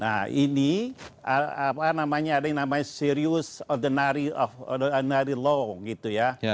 nah ini apa namanya ada yang namanya serious ordinary law gitu ya